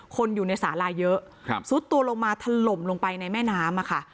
คนอยู่ในสาลาเยอะซุดตัวลงมาถล่มลงไปในแม่น้ำอะค่ะ